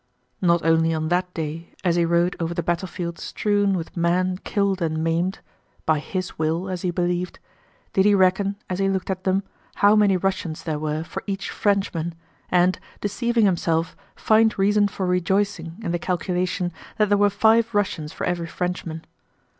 Not only on that day, as he rode over the battlefield strewn with men killed and maimed (by his will as he believed), did he reckon as he looked at them how many Russians there were for each Frenchman and, deceiving himself, find reason for rejoicing in the calculation that there were five Russians for every Frenchman.